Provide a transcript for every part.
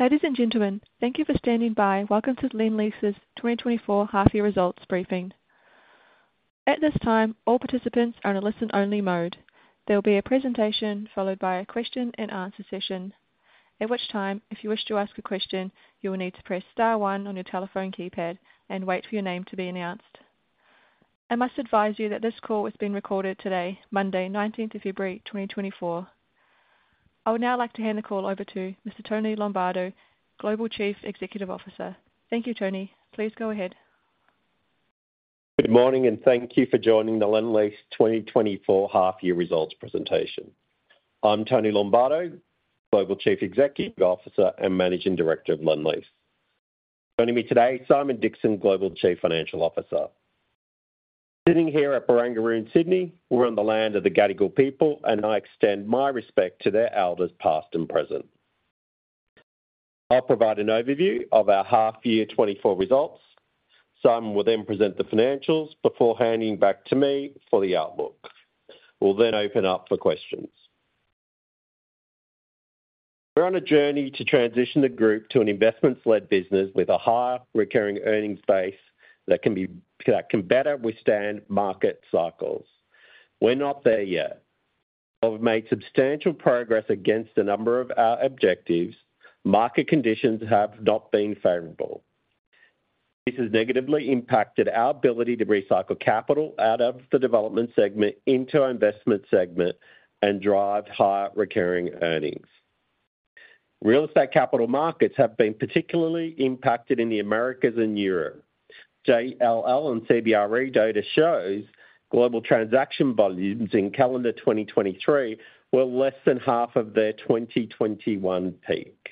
Ladies and gentlemen, thank you for standing by. Welcome to the Lendlease's 2024 Half Year Results Briefing. At this time, all participants are in a listen-only mode. There will be a presentation followed by a question-and-answer session, at which time, if you wish to ask a question, you will need to press star one on your telephone keypad and wait for your name to be announced. I must advise you that this call is being recorded today, Monday, 19th of February, 2024. I would now like to hand the call over to Mr. Tony Lombardo, Global Chief Executive Officer. Thank you, Tony. Please go ahead. Good morning, and thank you for joining the Lendlease 2024 Half Year Results Presentation. I'm Tony Lombardo, Global Chief Executive Officer and Managing Director of Lendlease. Joining me today, Simon Dixon, Global Chief Financial Officer. Sitting here at Barangaroo in Sydney, we're on the land of the Gadigal people, and I extend my respect to their elders past and present. I'll provide an overview of our Half Year 2024 results. Simon will then present the financials before handing back to me for the outlook. We'll then open up for questions. We're on a journey to transition the group to an investments-led business with a higher recurring earnings base that can better withstand market cycles. We're not there yet. While we've made substantial progress against a number of our objectives, market conditions have not been favorable. This has negatively impacted our ability to recycle capital out of the Development segment into our Investment segment and drive higher recurring earnings. Real estate capital markets have been particularly impacted in the Americas and Europe. JLL and CBRE data shows global transaction volumes in calendar 2023 were less than half of their 2021 peak.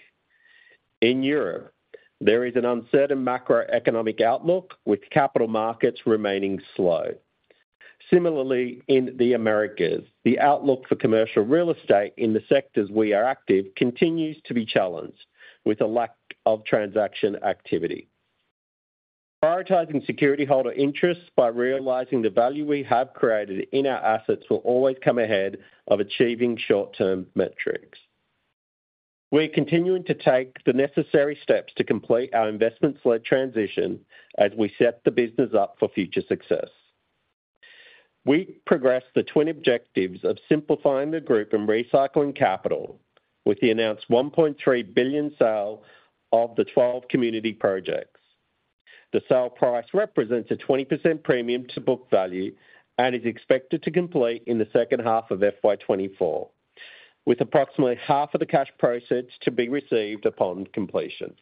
In Europe, there is an uncertain macroeconomic outlook, with capital markets remaining slow. Similarly, in the Americas, the outlook for commercial real estate in the sectors we are active continues to be challenged, with a lack of transaction activity. Prioritizing security holder interests by realizing the value we have created in our assets will always come ahead of achieving short-term metrics. We're continuing to take the necessary steps to complete our investments-led transition as we set the business up for future success. We've progressed the twin objectives of simplifying the group and recycling capital, with the announced 1.3 billion sale of the 12 community projects. The sale price represents a 20% premium to book value and is expected to complete in the second half of FY 2024, with approximately half of the cash proceeds to be received upon completion.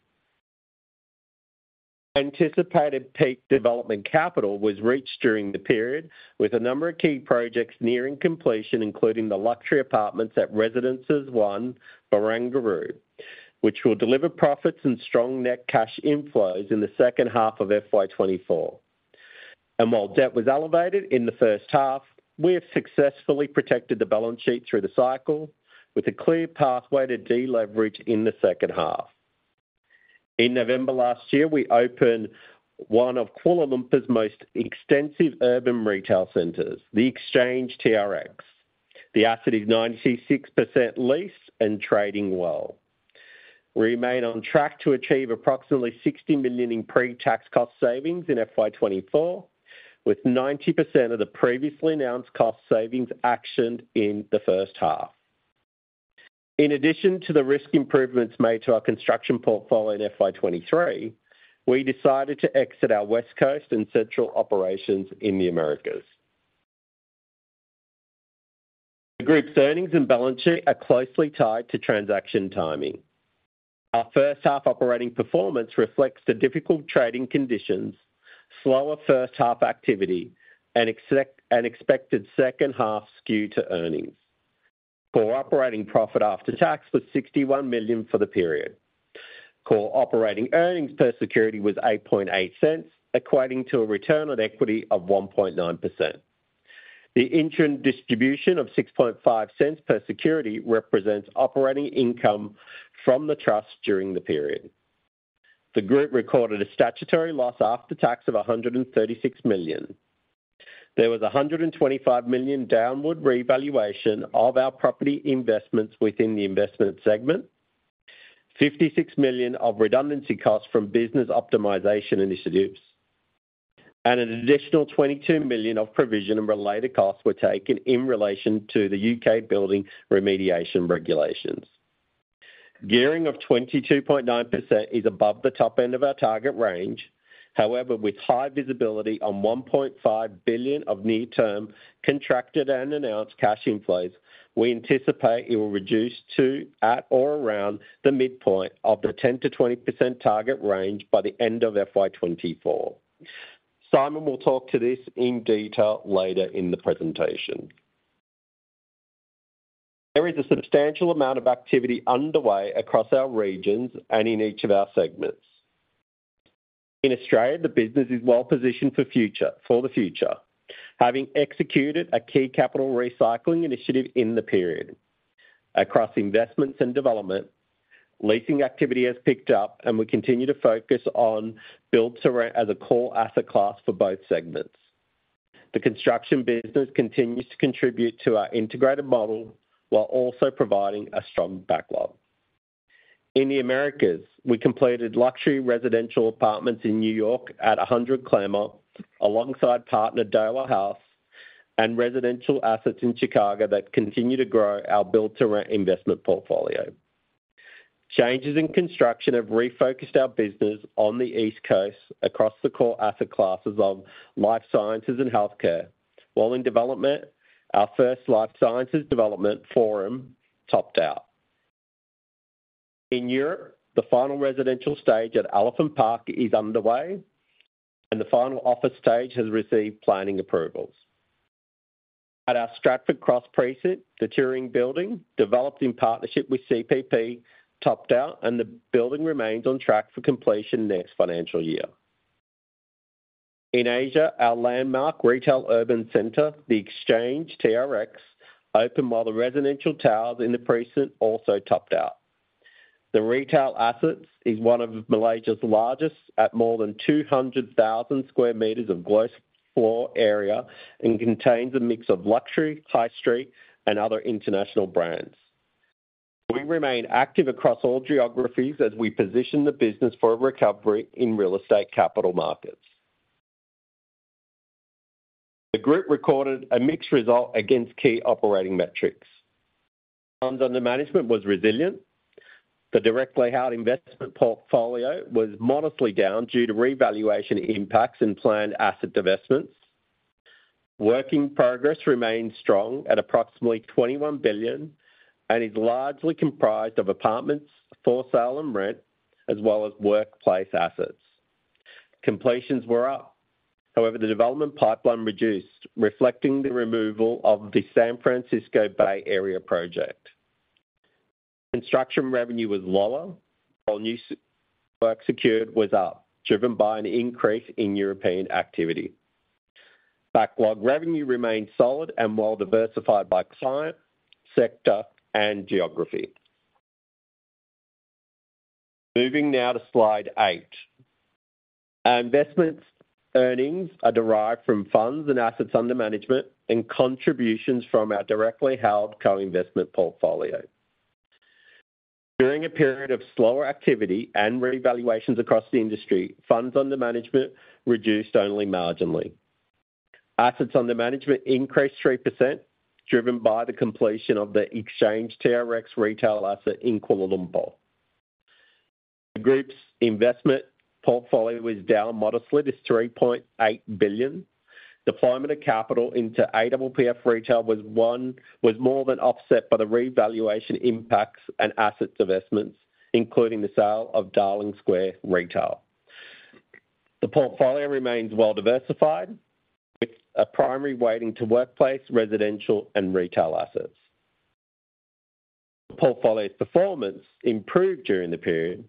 Anticipated peak development capital was reached during the period, with a number of key projects nearing completion, including the luxury apartments at Residences One, Barangaroo, which will deliver profits and strong net cash inflows in the second half of FY 2024. While debt was elevated in the first half, we have successfully protected the balance sheet through the cycle, with a clear pathway to deleverage in the second half. In November last year, we opened one of Kuala Lumpur's most extensive urban retail centres, the Exchange TRX. The asset is 96% leased and trading well. We remain on track to achieve approximately 60 million in pre-tax cost savings in FY 2024, with 90% of the previously announced cost savings actioned in the first half. In addition to the risk improvements made to our construction portfolio in FY 2023, we decided to exit our West Coast and central operations in the Americas. The group's earnings and balance sheet are closely tied to transaction timing. Our first half operating performance reflects the difficult trading conditions, slower first-half activity, and expected second half skew to earnings. Core operating profit after tax was AUD 61 million for the period. Core operating earnings per security was 0.08, equating to a return on equity of 1.9%. The interim distribution of 0.06 per security represents operating income from the trust during the period. The group recorded a statutory loss after tax of 136 million. There was an 125 million downward revaluation of our property investments within the Investment segment, 56 million of redundancy costs from business optimization initiatives, and an additional 22 million of provision and related costs were taken in relation to the U.K. building remediation regulations. Gearing of 22.9% is above the top end of our target range. However, with high visibility on 1.5 billion of near-term contracted and announced cash inflows, we anticipate it will reduce to at or around the midpoint of the 10%-20% target range by the end of FY 2024. Simon will talk to this in detail later in the presentation. There is a substantial amount of activity underway across our regions and in each of our segments. In Australia, the business is well positioned for the future, having executed a key capital recycling initiative in the period. Across investments and development, leasing activity has picked up, and we continue to focus on builds as a core asset class for both segments. The construction business continues to contribute to our integrated model while also providing a strong backlog. In the Americas, we completed luxury residential apartments in New York at 100 Claremont alongside partner Daiwa House and residential assets in Chicago that continue to grow our build-to-rent investment portfolio. Changes in construction have refocused our business on the East Coast across the core asset classes of life sciences and healthcare, while in development, our first life sciences development forum topped out. In Europe, the final residential stage at Elephant Park is underway, and the final office stage has received planning approvals. At our Stratford Cross Precinct, the Turing Building, developed in partnership with CPP, topped out, and the building remains on track for completion next financial year. In Asia, our landmark retail urban center, the Exchange TRX, opened while the residential towers in the precinct also topped out. The retail assets is one of Malaysia's largest at more than 200,000 square meters of gross floor area and contains a mix of luxury, high street, and other international brands. We remain active across all geographies as we position the business for a recovery in real estate capital markets. The group recorded a mixed result against key operating metrics. Funds under management were resilient. The directly held investment portfolio was modestly down due to revaluation impacts in planned asset divestments. Work in progress remained strong at approximately 21 billion and is largely comprised of apartments for sale and rent, as well as workplace assets. Completions were up. However, the development pipeline reduced, reflecting the removal of the San Francisco Bay Area project. Construction revenue was lower, while new work secured was up, driven by an increase in European activity. Backlog revenue remained solid and well diversified by client, sector, and geography. Moving now to slide 8. Our investment earnings are derived from funds and assets under management and contributions from our directly held co-investment portfolio. During a period of slower activity and revaluations across the industry, funds under management reduced only marginally. Assets under management increased 3%, driven by the completion of the Exchange TRX retail asset in Kuala Lumpur. The group's investment portfolio was down modestly to 3.8 billion. Deployment of capital into APPF Retail was more than offset by the revaluation impacts and asset divestments, including the sale of Darling Square retail. The portfolio remains well diversified, with a primary weighting to workplace, residential, and retail assets. The portfolio's performance improved during the period,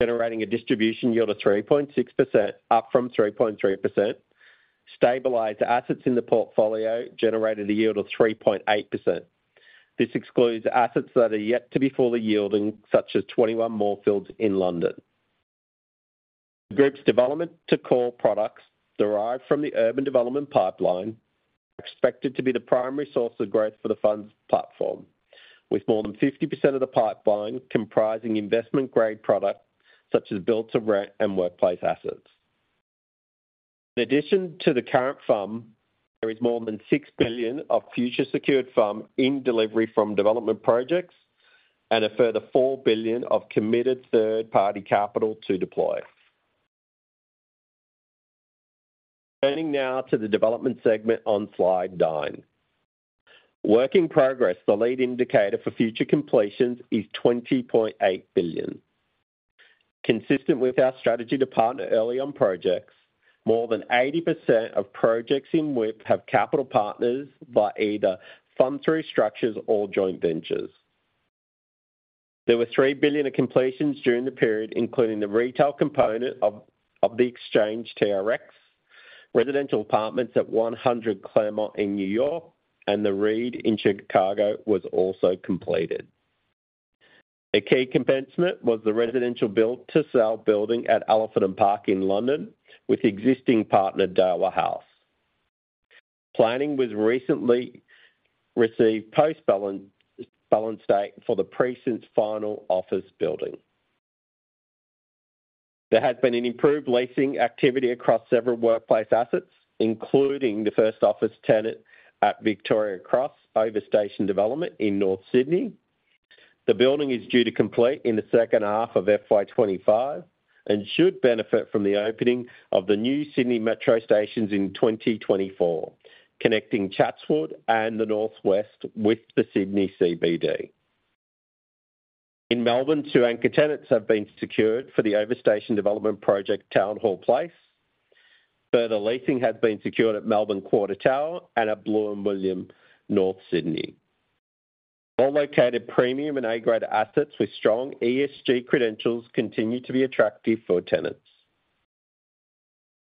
generating a distribution yield of 3.6%, up from 3.3%. Stabilised assets in the portfolio generated a yield of 3.8%. This excludes assets that are yet to be fully yielding, such as 21 Moorfields in London. The group's development to core products derived from the urban development pipeline are expected to be the primary source of growth for the fund's platform, with more than 50% of the pipeline comprising investment-grade products such as build-to-rent and workplace assets. In addition to the current fund, there is more than 6 billion of future-secured fund in delivery from development projects and a further 4 billion of committed third-party capital to deploy. Turning now to the Development segment on slide 9. Work in progress, the lead indicator for future completions, is 20.8 billion. Consistent with our strategy to partner early on projects, more than 80% of projects in WIP have capital partners via either fund-through structures or joint ventures. There were $3 billion of completions during the period, including the retail component of The Exchange TRX, residential apartments at 100 Claremont in New York, and The Reed in Chicago was also completed. A key completion was the residential build-to-sale building at Elephant Park in London with existing partner Daiwa House. Planning was recently received post-balance date for the precinct's final office building. There has been an improved leasing activity across several workplace assets, including the first office tenant at Victoria Cross Over Station Development in North Sydney. The building is due to complete in the second half of FY 2025 and should benefit from the opening of the new Sydney Metro stations in 2024, connecting Chatswood and the Northwest with the Sydney CBD. In Melbourne, two anchor tenants have been secured for the over-station development project, Town Hall Place. Further leasing has been secured at Melbourne Quarter Tower and at Blue & William, North Sydney. Well-located premium and A-grade assets with strong ESG credentials continue to be attractive for tenants.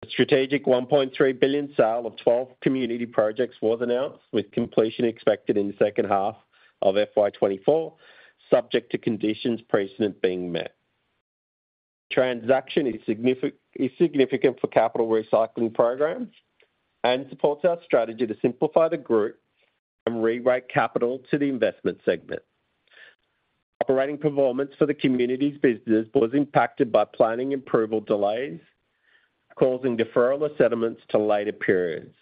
The strategic 1.3 billion sale of 12 community projects was announced, with completion expected in the second half of FY 2024, subject to conditions precedent being met. The transaction is significant for capital recycling programs and supports our strategy to simplify the group and re-rate capital to the Investment segment. Operating performance for the communities business was impacted by planning approval delays, causing deferral of settlements to later periods.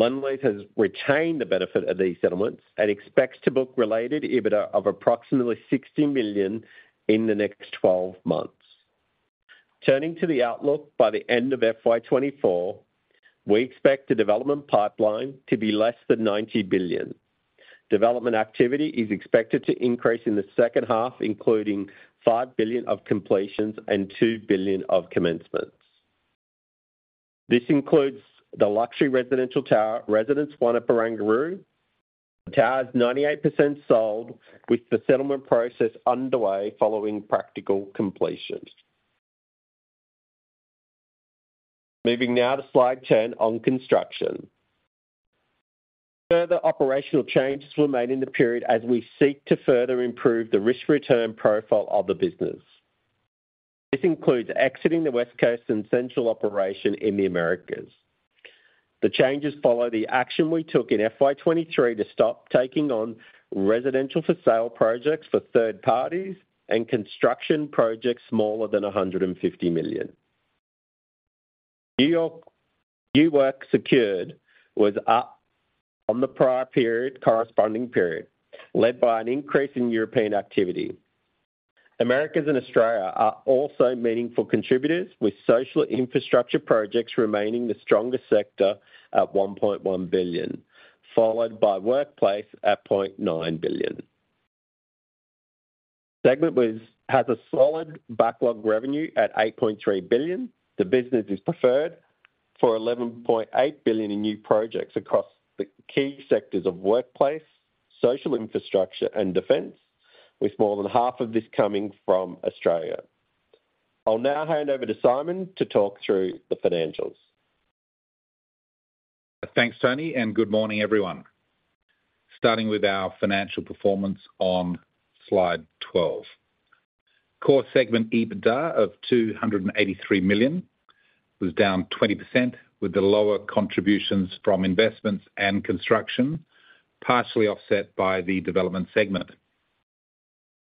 Lendlease has retained the benefit of these settlements and expects to book related EBITDA of approximately 60 million in the next 12 months. Turning to the outlook by the end of FY 2024, we expect the development pipeline to be less than 90 billion. Development activity is expected to increase in the second half, including 5 billion of completions and 2 billion of commencements. This includes the luxury residential tower, Residences One, at Barangaroo. The tower is 98% sold, with the settlement process underway following practical completion. Moving now to slide 10 on construction. Further operational changes were made in the period as we seek to further improve the risk-return profile of the business. This includes exiting the West Coast and central operation in the Americas. The changes follow the action we took in FY23 to stop taking on residential-for-sale projects for third parties and construction projects smaller than 150 million. New York new work secured was up on the prior period, corresponding period, led by an increase in European activity. Americas and Australia are also meaningful contributors, with social infrastructure projects remaining the strongest sector at 1.1 billion, followed by workplace at 0.9 billion. The segment has a solid backlog revenue at 8.3 billion. The business is preferred for 11.8 billion in new projects across the key sectors of workplace, social infrastructure, and defence, with more than half of this coming from Australia. I'll now hand over to Simon to talk through the financials. Thanks, Tony, and good morning, everyone. Starting with our financial performance on slide 12. Core segment EBITDA of 283 million was down 20% with the lower contributions from investments and construction, partially offset by the Development segment.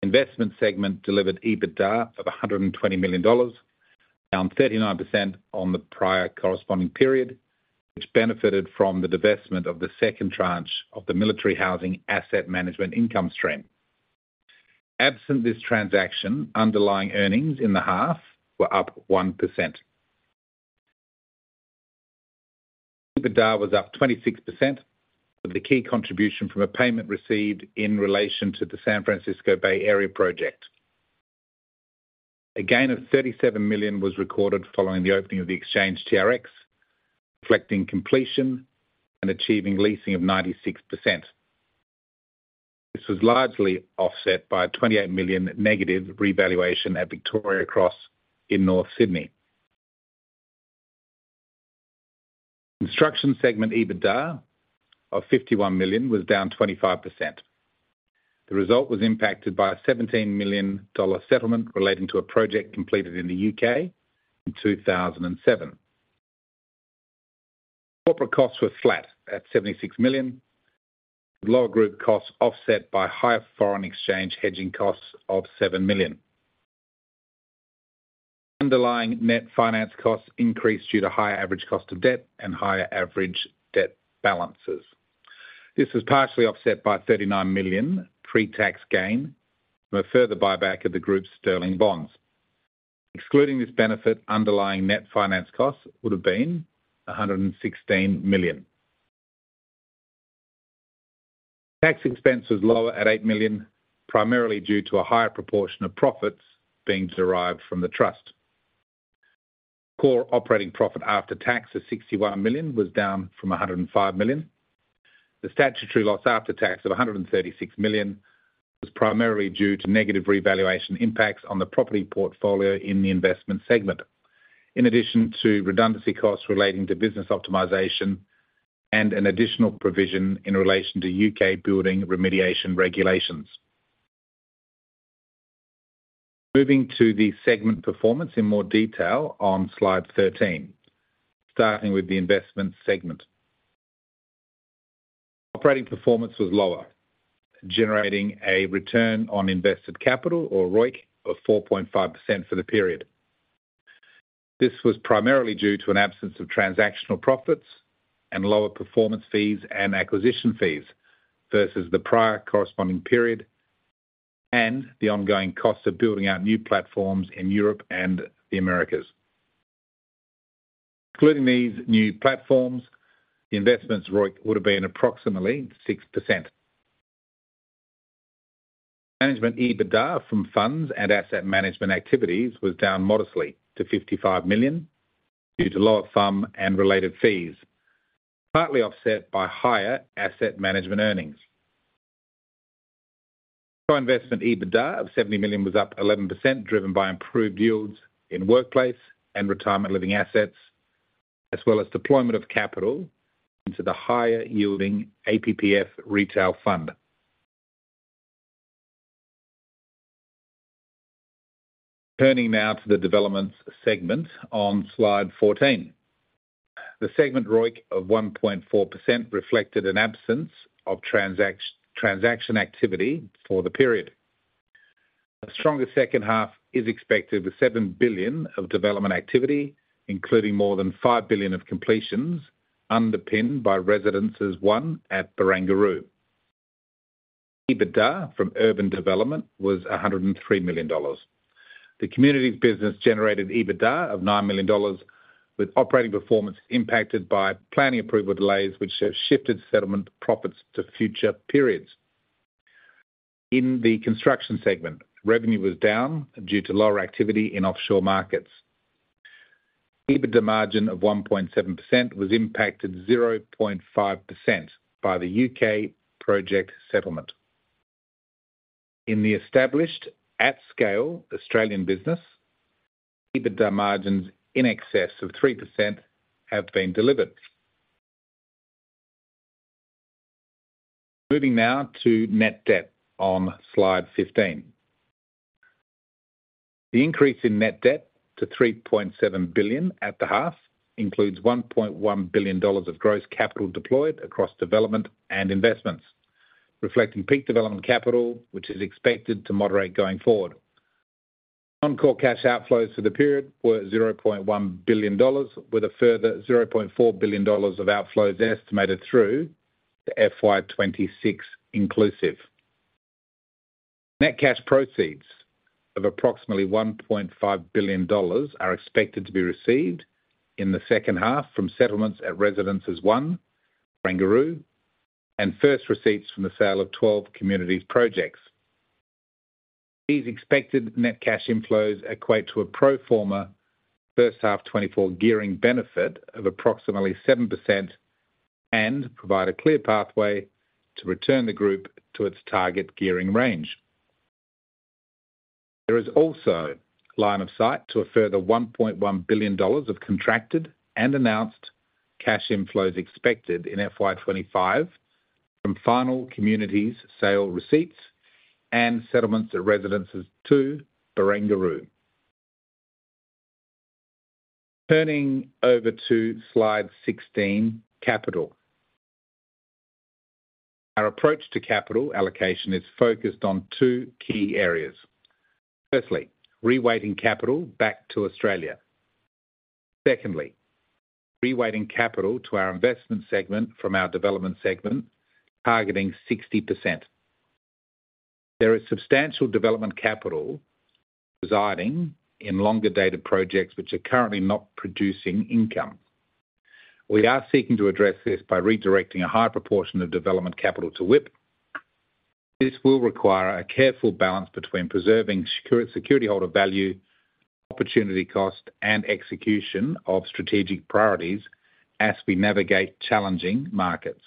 The Investment segment delivered EBITDA of 120 million dollars, down 39% on the prior corresponding period, which benefited from the divestment of the second tranche of the military housing asset management income stream. Absent this transaction, underlying earnings in the half were up 1%. EBITDA was up 26% with the key contribution from a payment received in relation to the San Francisco Bay Area project. A gain of 37 million was recorded following the opening of the Exchange TRX, reflecting completion and achieving leasing of 96%. This was largely offset by a 28 million negative revaluation at Victoria Cross in North Sydney. Construction segment EBITDA of AUD 51 million was down 25%. The result was impacted by a 17 million dollar settlement relating to a project completed in the U.K. in 2007. Corporate costs were flat at 76 million, with lower group costs offset by higher foreign exchange hedging costs of 7 million. Underlying net finance costs increased due to higher average cost of debt and higher average debt balances. This was partially offset by 39 million pre-tax gain from a further buyback of the group's Sterling bonds. Excluding this benefit, underlying net finance costs would have been 116 million. Tax expense was lower at 8 million, primarily due to a higher proportion of profits being derived from the trust. Core operating profit after tax of 61 million was down from 105 million. The statutory loss after tax of 136 million was primarily due to negative revaluation impacts on the property portfolio in the Investment segment, in addition to redundancy costs relating to business optimisation and an additional provision in relation to U.K. building remediation regulations. Moving to the segment performance in more detail on slide 13, starting with the Investment segment. Operating performance was lower, generating a return on invested capital, or ROIC, of 4.5% for the period. This was primarily due to an absence of transactional profits and lower performance fees and acquisition fees versus the prior corresponding period and the ongoing costs of building out new platforms in Europe and the Americas. Excluding these new platforms, the investment's ROIC would have been approximately 6%. Management EBITDA from funds and asset management activities was down modestly to 55 million due to lower fund and related fees, partly offset by higher asset management earnings. Co-investment EBITDA of AUD 70 million was up 11%, driven by improved yields in workplace and retirement living assets, as well as deployment of capital into the higher-yielding APPF Retail fund. Turning now to the Development segment on slide 14. The segment ROIC of 1.4% reflected an absence of transaction activity for the period. A stronger second half is expected with 7 billion of development activity, including more than 5 billion of completions underpinned by Residences One at Barangaroo. EBITDA from urban development was 103 million dollars. The communities business generated EBITDA of 9 million dollars, with operating performance impacted by planning approval delays, which have shifted settlement profits to future periods. In the Construction segment, revenue was down due to lower activity in offshore markets. EBITDA margin of 1.7% was impacted 0.5% by the U.K. project settlement. In the established, at-scale Australian business, EBITDA margins in excess of 3% have been delivered. Moving now to net debt on slide 15. The increase in net debt to AUD 3.7 billion at the half includes AUD 1.1 billion of gross capital deployed across development and investments, reflecting peak development capital, which is expected to moderate going forward. Non-core cash outflows for the period were 0.1 billion dollars, with a further 0.4 billion dollars of outflows estimated through to FY 2026 inclusive. Net cash proceeds of approximately 1.5 billion dollars are expected to be received in the second half from settlements at Residences One, Barangaroo, and first receipts from the sale of 12 community projects. These expected net cash inflows equate to a pro forma first-half 2024 gearing benefit of approximately 7% and provide a clear pathway to return the group to its target gearing range. There is also line of sight to a further 1.1 billion dollars of contracted and announced cash inflows expected in FY 2025 from final communities' sale receipts and settlements at Residences Two, Barangaroo. Turning over to slide 16, Capital. Our approach to capital allocation is focused on two key areas. Firstly, reweighting capital back to Australia. Secondly, reweighting capital to our Investment segment from our Development segment, targeting 60%. There is substantial development capital residing in longer-dated projects which are currently not producing income. We are seeking to address this by redirecting a high proportion of development capital to WIP. This will require a careful balance between preserving security holder value, opportunity cost, and execution of strategic priorities as we navigate challenging markets.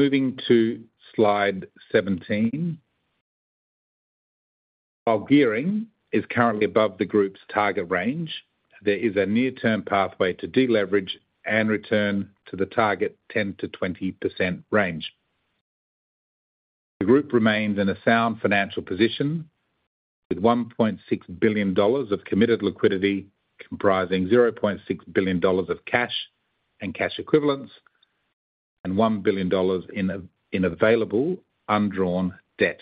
Moving to slide 17. While gearing is currently above the Group's target range, there is a near-term pathway to de-leverage and return to the target 10%-20% range. The Group remains in a sound financial position with 1.6 billion dollars of committed liquidity comprising 0.6 billion dollars of cash and cash equivalents and 1 billion dollars in available undrawn debt.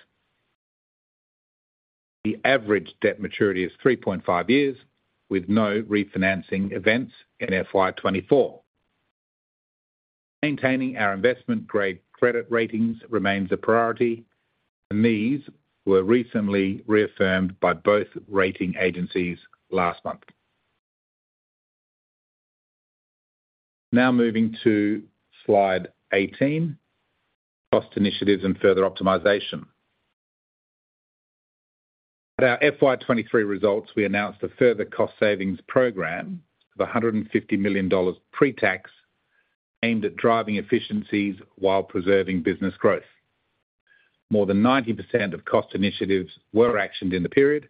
The average debt maturity is 3.5 years, with no refinancing events in FY 2024. Maintaining our investment-grade credit ratings remains a priority, and these were recently reaffirmed by both rating agencies last month. Now moving to slide 18, cost initiatives and further optimization. At our FY 2023 results, we announced a further cost-savings program of 150 million dollars pre-tax aimed at driving efficiencies while preserving business growth. More than 90% of cost initiatives were actioned in the period,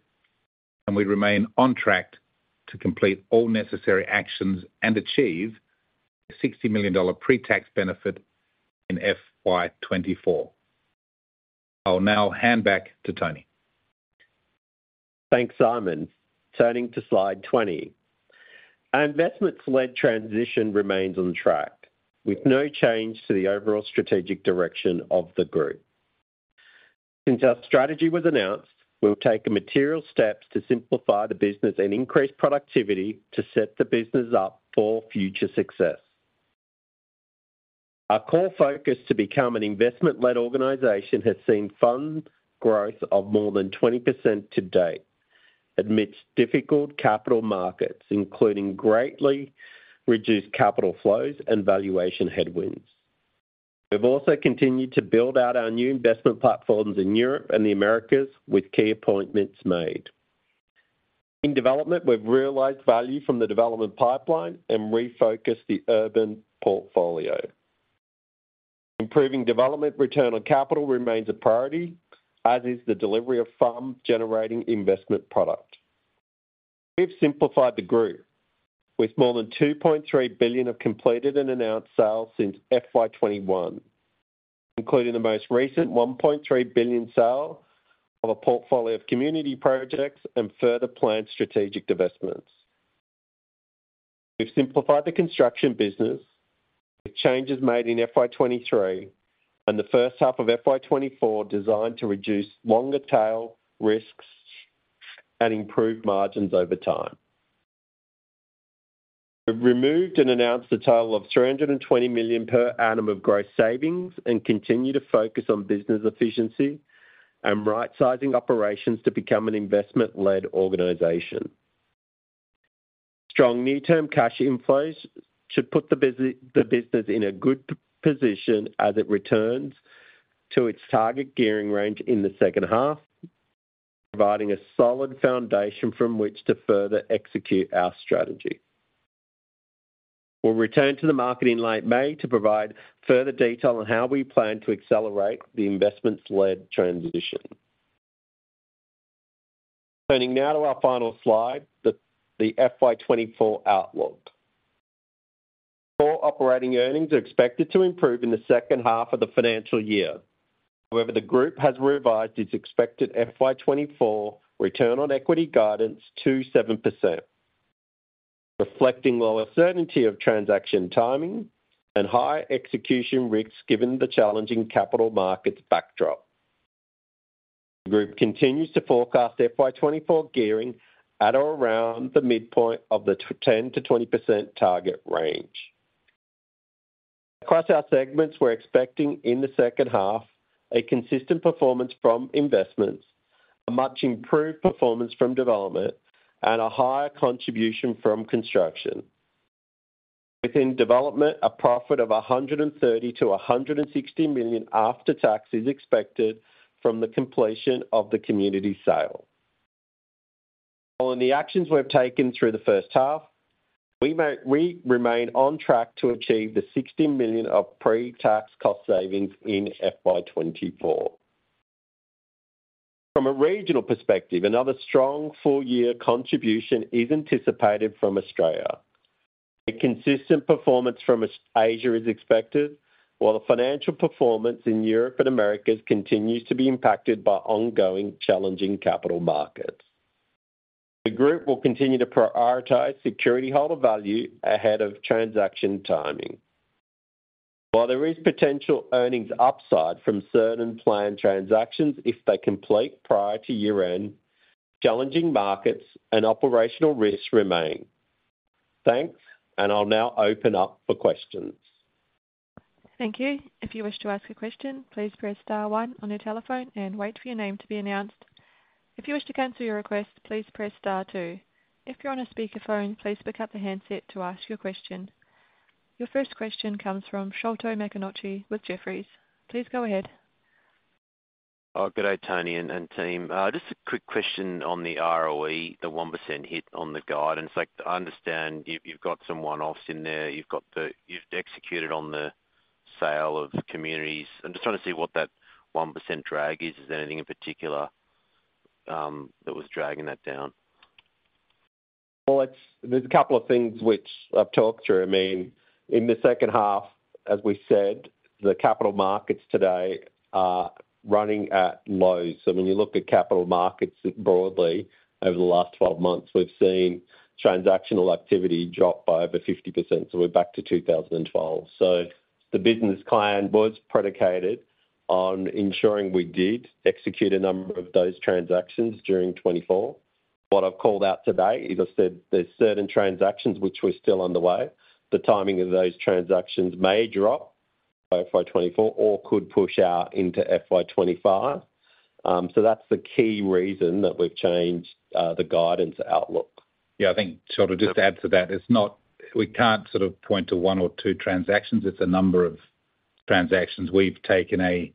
and we remain on track to complete all necessary actions and achieve a AUD 60 million pre-tax benefit in FY 2024. I'll now hand back to Tony. Thanks, Simon. Turning to slide 20. Our Investments-led transition remains on track, with no change to the overall strategic direction of the Group. Since our strategy was announced, we'll take material steps to simplify the business and increase productivity to set the business up for future success. Our core focus to become an investment-led organization has seen fund growth of more than 20% to date, amidst difficult capital markets, including greatly reduced capital flows and valuation headwinds. We've also continued to build out our new investment platforms in Europe and the Americas with key appointments made. In development, we've realized value from the development pipeline and refocused the urban portfolio. Improving development return on capital remains a priority, as is the delivery of fund-generating investment product. We've simplified the group, with more than 2.3 billion of completed and announced sales since FY 2021, including the most recent 1.3 billion sale of a portfolio of community projects and further planned strategic divestments. We've simplified the construction business with changes made in FY 2023 and the first half of FY 2024 designed to reduce longer-tail risks and improve margins over time. We've removed and announced a total of 320 million per annum of gross savings and continue to focus on business efficiency and right-sizing operations to become an investment-led organization. Strong near-term cash inflows should put the business in a good position as it returns to its target gearing range in the second half, providing a solid foundation from which to further execute our strategy. We'll return to the market in late May to provide further detail on how we plan to accelerate the investments-led transition. Turning now to our final slide, the FY 2024 outlook. Core operating earnings are expected to improve in the second half of the financial year. However, the group has revised its expected FY 2024 return on equity guidance to 7%, reflecting lower certainty of transaction timing and higher execution risks given the challenging capital markets backdrop. The group continues to forecast FY 2024 gearing at or around the midpoint of the 10%-20% target range. Across our segments, we're expecting in the second half a consistent performance from investments, a much improved performance from development, and a higher contribution from construction. Within development, a profit of 130 million-160 million after tax is expected from the completion of the community sale. While in the actions we've taken through the first half, we remain on track to achieve the 60 million of pre-tax cost savings in FY 2024. From a regional perspective, another strong full-year contribution is anticipated from Australia. A consistent performance from Asia is expected, while the financial performance in Europe and Americas continues to be impacted by ongoing challenging capital markets. The group will continue to prioritize security holder value ahead of transaction timing. While there is potential earnings upside from certain planned transactions if they complete prior to year-end, challenging markets and operational risks remain. Thanks, and I'll now open up for questions. Thank you. If you wish to ask a question, please press star one on your telephone and wait for your name to be announced. If you wish to cancel your request, please press star two. If you're on a speakerphone, please pick up the handset to ask your question. Your first question comes from Sholto Maconochie with Jefferies. Please go ahead. Good day, Tony and team. Just a quick question on the ROE, the 1% hit on the guidance. I understand you've got some one-offs in there. You've executed on the sale of communities. I'm just trying to see what that 1% drag is. Is there anything in particular that was dragging that down? Well, there's a couple of things which I've talked through. I mean, in the second half, as we said, the capital markets today are running at lows. I mean, you look at capital markets broadly over the last 12 months, we've seen transactional activity drop by over 50%. So we're back to 2012. So the business plan was predicated on ensuring we did execute a number of those transactions during 2024. What I've called out today is I've said there's certain transactions which were still underway. The timing of those transactions may drop by FY 2024 or could push out into FY 2025. So that's the key reason that we've changed the guidance outlook. Yeah. I think sort of just to add to that, we can't sort of point to one or two transactions. It's a number of transactions. We've taken a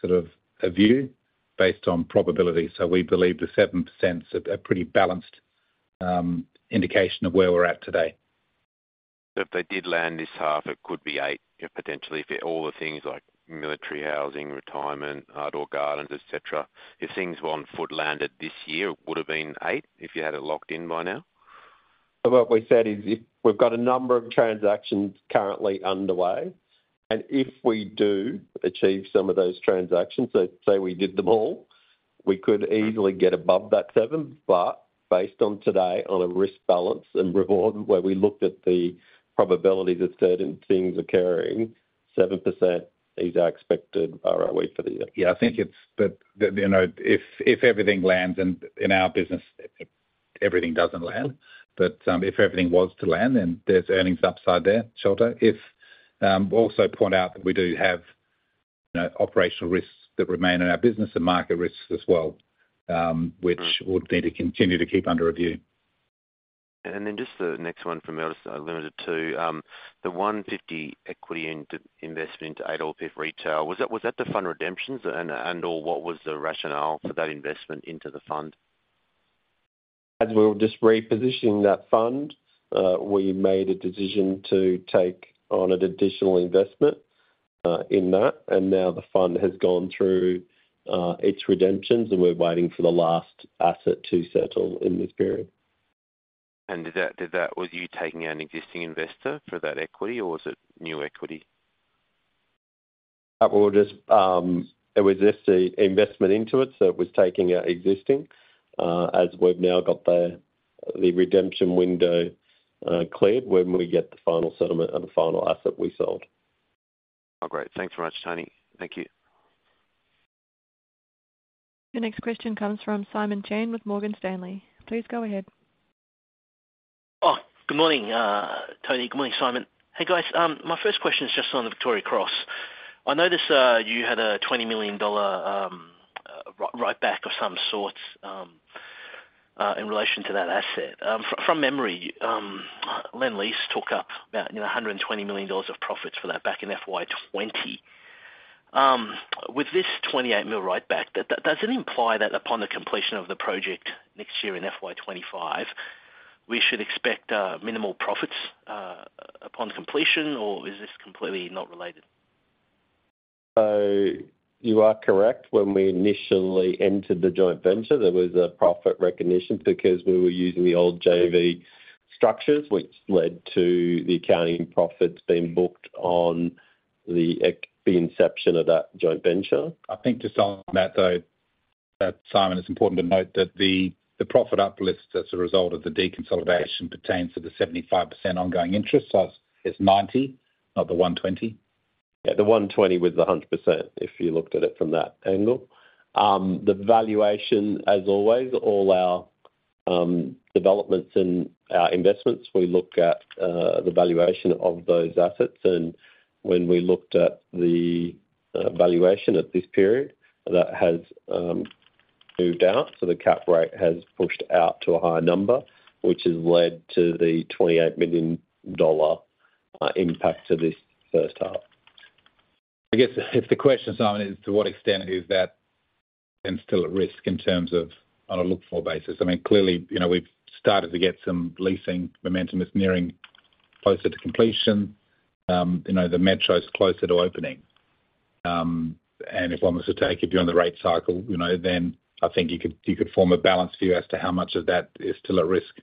sort of a view based on probability. So we believe the 7% is a pretty balanced indication of where we're at today. If they did land this half, it could be 8%, potentially, if all the things like military housing, retirement, Ardor Gardens, etc. If things were on foot landed this year, it would have been 8% if you had it locked in by now. So what we said is we've got a number of transactions currently underway. And if we do achieve some of those transactions - so say we did them all - we could easily get above that 7%. But based on today, on a risk balance and reward where we looked at the probabilities of certain things occurring, 7% is our expected ROE for the year. Yeah. I think it's but if everything lands and in our business, everything doesn't land. But if everything was to land, then there's earnings upside there, Sholto. I'll also point out that we do have operational risks that remain in our business and market risks as well, which would need to continue to keep under review. And then just the next one from me, I'll limit to two. The 150 equity investment into APPF Retail, was that the fund redemptions? And/or what was the rationale for that investment into the fund? As we were just repositioning that fund, we made a decision to take on an additional investment in that. And now the fund has gone through its redemptions, and we're waiting for the last asset to settle in this period. And was you taking an existing investor for that equity, or was it new equity? It was just investment into it, so it was taking an existing. As we've now got the redemption window cleared, when we get the final settlement of the final asset we sold. Oh, great. Thanks very much, Tony. Thank you. Your next question comes from Simon Chan with Morgan Stanley. Please go ahead. Oh, good morning, Tony. Good morning, Simon. Hey, guys. My first question is just on the Victoria Cross. I noticed you had a 20 million dollar write-back of some sort in relation to that asset. From memory, Lendlease talked up about 120 million dollars of profits for that back in FY 2020. With this 28 million write-back, does it imply that upon the completion of the project next year in FY 2025, we should expect minimal profits upon completion, or is this completely not related? So you are correct. When we initially entered the joint venture, there was a profit recognition because we were using the old JV structures, which led to the accounting profits being booked on the inception of that joint venture. I think just on that, though, Simon, it's important to note that the profit uplift as a result of the deconsolidation pertains to the 75% ongoing interest. So it's 90, not the 120. Yeah. The 120 was the 100% if you looked at it from that angle. The valuation, as always, all our Developments and our Investments, we look at the valuation of those assets. And when we looked at the valuation at this period, that has moved out. So the cap rate has pushed out to a higher number, which has led to the 28 million dollar impact to this first half. I guess if the question, Simon, is to what extent is that then still at risk in terms of on a look-for basis? I mean, clearly, we've started to get some leasing momentum that's nearing closer to completion. The metro's closer to opening. And if I was to take you on the rate cycle, then I think you could form a balance view as to how much of that is still at risk.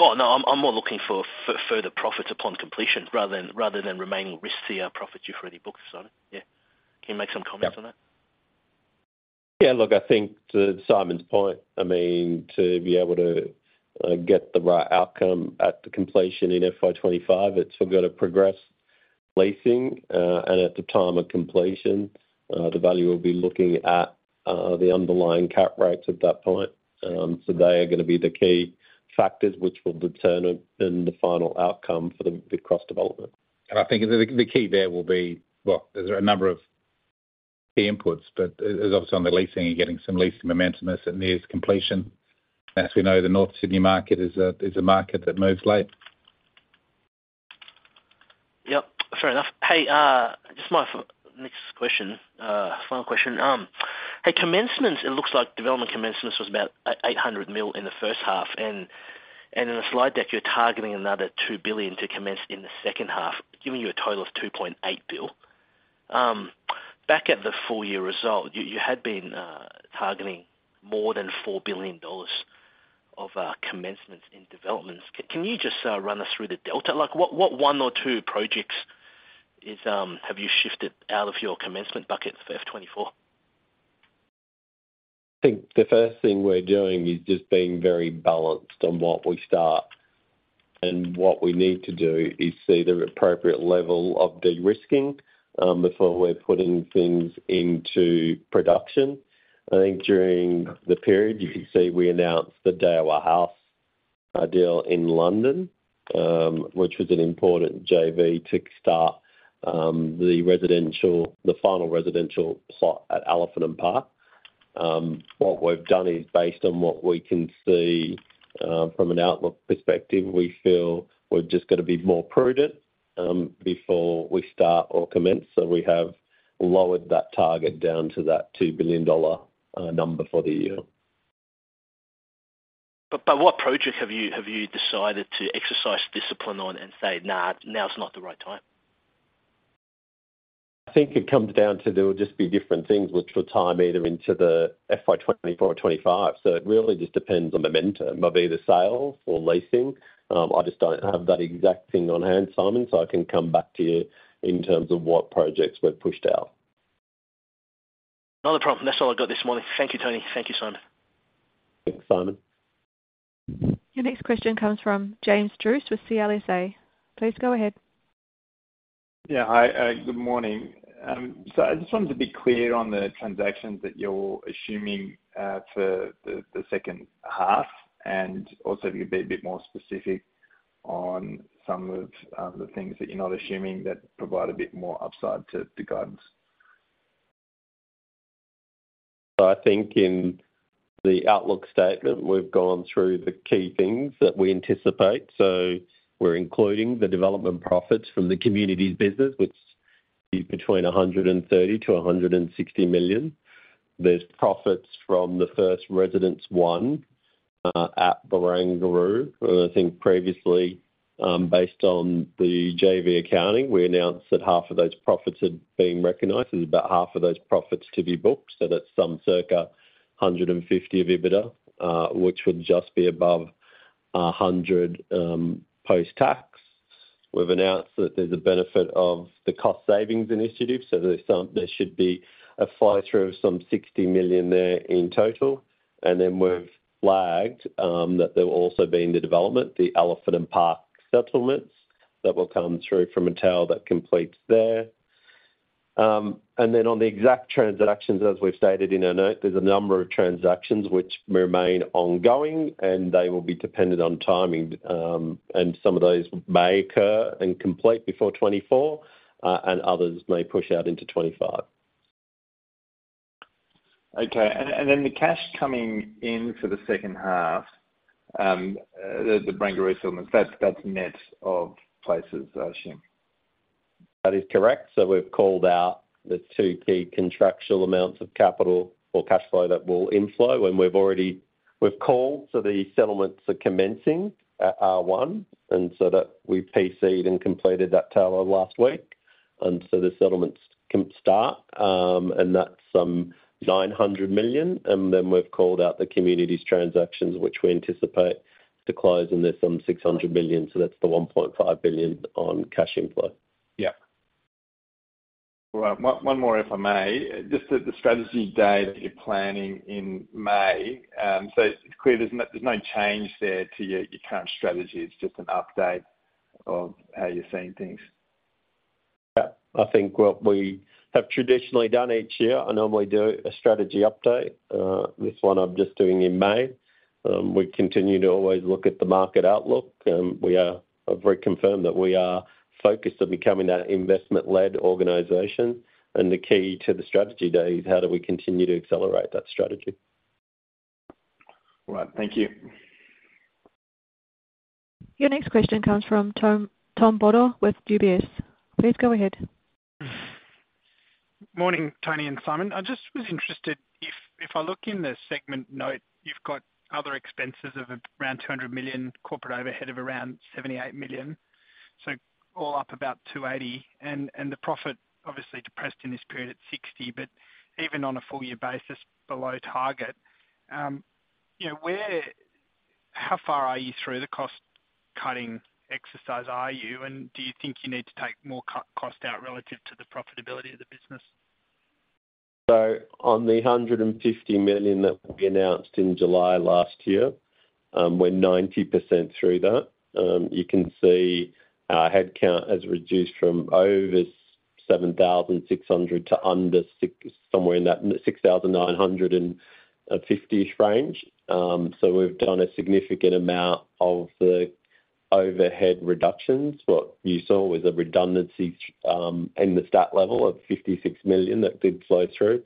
Oh, no. I'm more looking for further profits upon completion rather than remaining risky profits you've already booked, Simon. Yeah. Can you make some comments on that? Yeah. Look, I think to Simon's point, I mean, to be able to get the right outcome at the completion in FY 2025, it's we've got to progress leasing. And at the time of completion, the value will be looking at the underlying cap rates at that point. So they are going to be the key factors which will determine the final outcome for the Vic Cross development. And I think the key there will be well, there's a number of key inputs. But as obviously on the leasing, you're getting some leasing momentum as it nears completion. As we know, the North Sydney market is a market that moves late. Yep. Fair enough. Hey, just my next question, final question. Hey, commencements, it looks like development commencements was about 800 million in the first half. And in the slide deck, you're targeting another 2 billion to commence in the second half, giving you a total of 2.8 billion. Back at the full-year result, you had been targeting more than 4 billion dollars of commencements in developments. Can you just run us through the delta? What one or two projects have you shifted out of your commencement bucket for FY 2024? I think the first thing we're doing is just being very balanced on what we start. And what we need to do is see the appropriate level of de-risking before we're putting things into production. I think during the period, you can see we announced the Daiwa House deal in London, which was an important JV to start the final residential plot at Elephant Park. What we've done is based on what we can see from an outlook perspective, we feel we've just got to be more prudent before we start or commence. So we have lowered that target down to that 2 billion dollar number for the year. But what project have you decided to exercise discipline on and say, "Now, it's not the right time"? I think it comes down to there will just be different things which will tie either into the FY 2024 or 2025. So it really just depends on momentum of either sales or leasing. I just don't have that exact thing on hand, Simon, so I can come back to you in terms of what projects we've pushed out. Not a problem. That's all I've got this morning. Thank you, Tony. Thank you, Simon. Thanks, Simon. Your next question comes from James Druce with CLSA. Please go ahead. Yeah. Good morning. So I just wanted to be clear on the transactions that you're assuming for the second half and also be a bit more specific on some of the things that you're not assuming that provide a bit more upside to the guidance. So I think in the outlook statement, we've gone through the key things that we anticipate. So we're including the development profits from the communities business, which is between 130 million-160 million. There's profits from the first Residences One at Barangaroo. I think previously, based on the JV accounting, we announced that half of those profits had been recognised. It was about half of those profits to be booked. So that's some circa 150 million of EBITDA, which would just be above 100 million post-tax. We've announced that there's a benefit of the cost savings initiative. So there should be a fly-through of some 60 million there in total. And then we've flagged that there will also be in the development, the Elephant Park settlements that will come through from Milan that completes there. And then on the exact transactions, as we've stated in our note, there's a number of transactions which remain ongoing, and they will be dependent on timing. And some of those may occur and complete before 2024, and others may push out into 2025. Okay. And then the cash coming in for the second half, the Barangaroo settlements, that's net of places, I assume? That is correct. So we've called out the two key contractual amounts of capital or cash flow that will inflow. And we've called so the settlements are commencing at R1. And so we PC'd and completed that tableau last week. And so the settlements can start. And that's some 900 million. And then we've called out the communities transactions, which we anticipate to close, and there's some 600 million. So that's the 1.5 billion on cash input. Yeah. All right. One more, if I may. Just the Strategy Day that you're planning in May. So it's clear there's no change there to your current strategy. It's just an update of how you're seeing things. Yeah. I think what we have traditionally done each year, I normally do a strategy update. This one, I'm just doing in May. We continue to always look at the market outlook. We have reconfirmed that we are focused on becoming that investment-led organization. The key to the strategy day is how do we continue to accelerate that strategy? All right. Thank you. Your next question comes from Tom Bodor with UBS. Please go ahead. Good morning, Tony and Simon. I just was interested if I look in the segment note, you've got other expenses of around 200 million, corporate overhead of around 78 million, so all up about 280 million. The profit, obviously, depressed in this period at 60 million. But even on a full-year basis, below target, how far are you through the cost-cutting exercise are you? Do you think you need to take more cost out relative to the profitability of the business? So on the 150 million that we announced in July last year, we're 90% through that. You can see our headcount has reduced from over 7,600 to under somewhere in that 6,950-ish range. So we've done a significant amount of the overhead reductions. What you saw was a redundancy in the statutory level of 56 million that did flow through.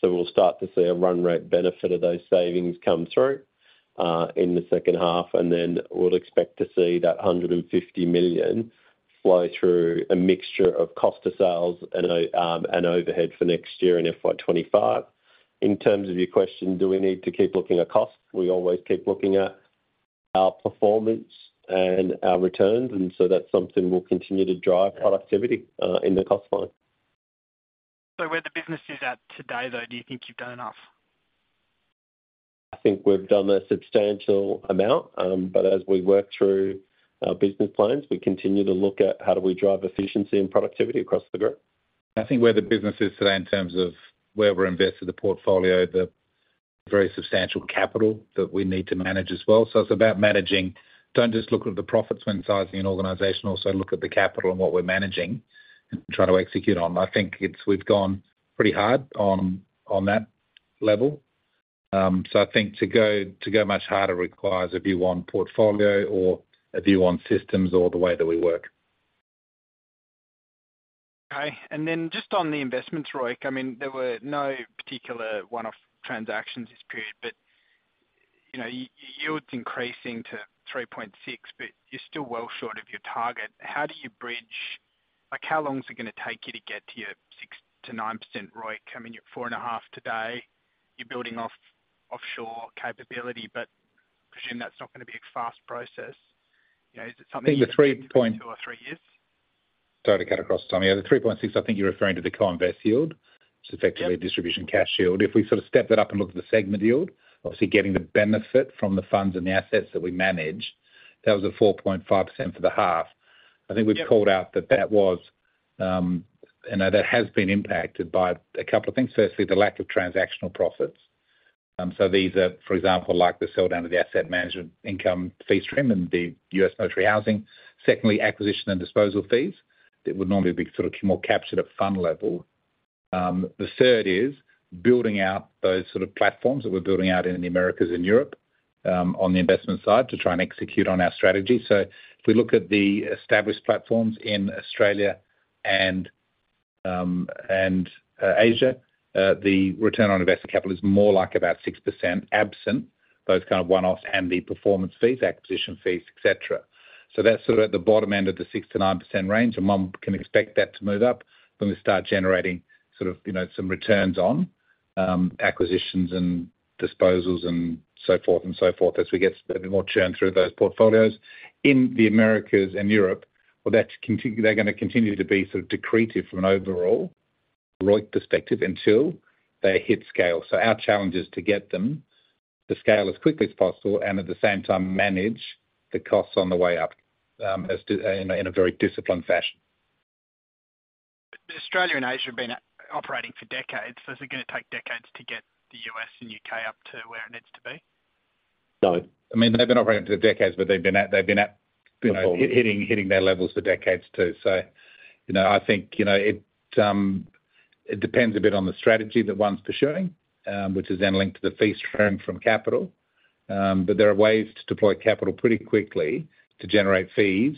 So we'll start to see a run-rate benefit of those savings come through in the second half. And then we'll expect to see that 150 million flow through a mixture of cost of sales and overhead for next year in FY 2025. In terms of your question, do we need to keep looking at cost? We always keep looking at our performance and our returns. And so that's something we'll continue to drive productivity in the cost line. So where the business is at today, though, do you think you've done enough? I think we've done a substantial amount. But as we work through our business plans, we continue to look at how do we drive efficiency and productivity across the group. I think where the business is today in terms of where we're invested the portfolio, the very substantial capital that we need to manage as well. So it's about managing. Don't just look at the profits when sizing an organization, also look at the capital and what we're managing and try to execute on. I think we've gone pretty hard on that level. So I think to go much harder requires a view on portfolio or a view on systems or the way that we work. Okay. And then just on the investments, ROIC, I mean, there were no particular one-off transactions this period. But yield's increasing to 3.6%, but you're still well short of your target. How do you bridge how long's it going to take you to get to your 6%-9%, ROIC? I mean, you're 4.5% today. You're building offshore capability, but presume that's not going to be a fast process. Is it something you think the 3.6%? I think the 3.6% two or 3 years. Sorry to cut across, Tony. The 3.6%, I think you're referring to the co-invest yield, which is effectively distribution cash yield. If we sort of step that up and look at the segment yield, obviously, getting the benefit from the funds and the assets that we manage, that was a 4.5% for the half. I think we've called out that that has been impacted by a couple of things. Firstly, the lack of transactional profits. So these are, for example, the sell-down of the asset management income fee stream and the U.S. military housing. Secondly, acquisition and disposal fees that would normally be sort of more captured at fund level. The third is building out those sort of platforms that we're building out in the Americas and Europe on the investment side to try and execute on our strategy. So if we look at the established platforms in Australia and Asia, the return on invested capital is more like about 6% absent both kind of one-offs and the performance fees, acquisition fees, etc. So that's sort of at the bottom end of the 6%-9% range. And one can expect that to move up when we start generating sort of some returns on acquisitions and disposals and so forth and so forth as we get a bit more churn through those portfolios. In the Americas and Europe, well, they're going to continue to be sort of dilutive from an overall, ROIC, perspective until they hit scale. So our challenge is to get them to scale as quickly as possible and at the same time manage the costs on the way up in a very disciplined fashion. Australia and Asia have been operating for decades. So is it going to take decades to get the U.S. and U.K. up to where it needs to be? No. I mean, they've been hitting their levels for decades too. So I think it depends a bit on the strategy that one's pursuing, which is then linked to the fee stream from capital. But there are ways to deploy capital pretty quickly to generate fees